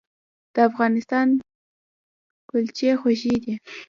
د افغانستان کلچې خوږې دي